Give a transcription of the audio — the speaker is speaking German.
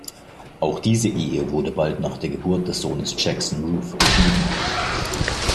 Auch diese Ehe wurde bald nach der Geburt des Sohnes Jackson Routh geschieden.